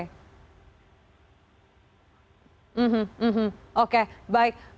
mbak antari sepertinya kita sedikit mengalami sedikit masalah koneksi